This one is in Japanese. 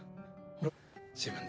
あっ。